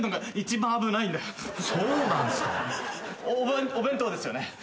お弁お弁当ですよね？